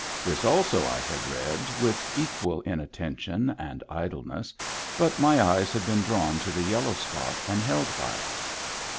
This also I had read, with equal inat tention and idleness, but my eyes had been drawn to the yellow spot and held by it.